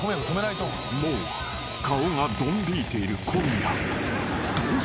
［もう顔がどん引いている］